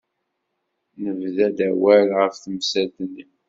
Nebda-d awal ɣef temsalt-nni.